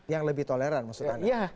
yang lebih toleran maksud anda